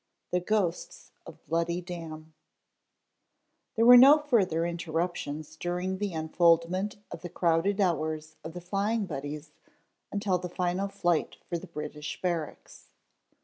THE GHOSTS OF BLOODY DAM There were no further interruptions during the unfoldment of the crowded hours of the Flying Buddies until the final flight for the British barracks.